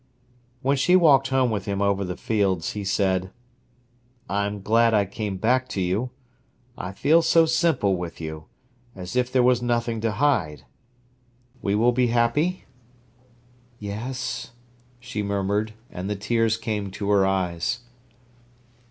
When she walked home with him over the fields, he said: "I am glad I came back to you. I feel so simple with you—as if there was nothing to hide. We will be happy?" "Yes," she murmured, and the tears came to her eyes.